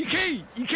いけ！